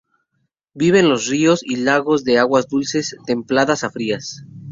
Vive en los ríos y lagos de aguas dulces, templadas a frías.